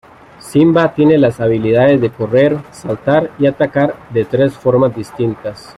Simba tiene las habilidades de correr, saltar y atacar de tres formas distintas.